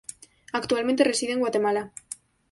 Actualmente reside en Guatemala.